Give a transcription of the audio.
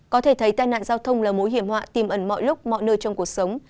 có thể thấy tai nạn giao thông là mối hiểm họa tìm ẩn mọi lúc mọi nơi trong cuộc sống